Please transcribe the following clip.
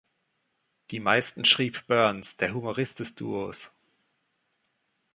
Die meisten schrieb Burns, der Humorist des Duos.